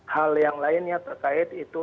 hal yang lainnya terkait itu